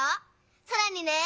さらにね！